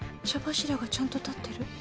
茶柱がちゃんと立ってる。